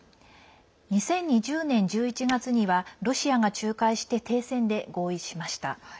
２０２０年１１月にはロシアが仲介して停戦で合意しました。